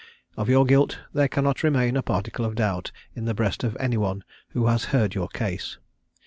Of your guilt, there cannot remain a particle of doubt in the breast of any one who has heard your case.